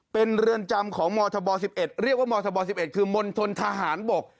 เป็นเรือนจำของมธบ๑๑เรียกว่ามธบ๑๑คือมณฑลทหารบก